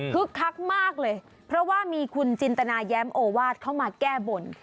คักมากเลยเพราะว่ามีคุณจินตนาแย้มโอวาสเข้ามาแก้บน